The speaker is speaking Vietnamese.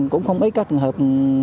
cũng không ít các trường hợp